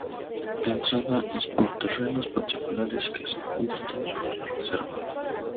La entrada es por terrenos particulares que se encuentran dentro de la Reserva.